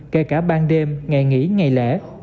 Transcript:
kể cả ban đêm ngày nghỉ ngày lễ